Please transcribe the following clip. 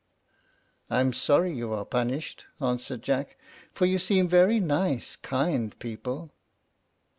"I am sorry you are punished," answered Jack, "for you seem very nice, kind people."